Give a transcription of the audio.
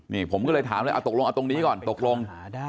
นี่ผมก็เลยถามเลยเอาตกลงเอาตรงนี้ก่อนตกลง